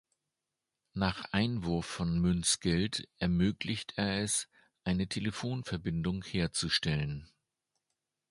Nach Einwurf von Münzgeld ermöglicht er es, eine Telefonverbindung herzustellen.